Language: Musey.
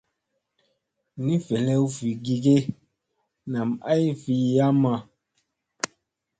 Ni velew vi gi ge nam ay vi wayamma.